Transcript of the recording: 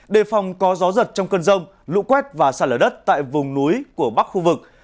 đề phòng có gió giật trong cơn rông lũ quét và sạt lở đất tại vùng núi của bắc khu vực